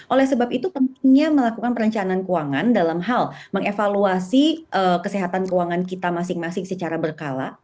oleh sebab itu pentingnya melakukan perencanaan keuangan dalam hal mengevaluasi kesehatan keuangan kita masing masing secara berkala